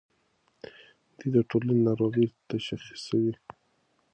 دوی د ټولنې ناروغۍ تشخیصوي.